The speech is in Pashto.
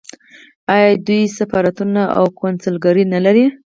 آیا دوی سفارتونه او کونسلګرۍ نلري؟